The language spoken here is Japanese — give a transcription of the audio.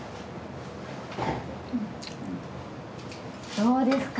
どうですか？